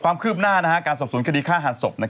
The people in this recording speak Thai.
ความคืบหน้าการสรบศูนย์คดีฆ่าหารศพ